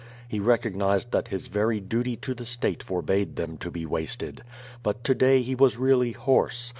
He recognized that his very duty to the state forbade them to be wasted. But to day he was really hoarse.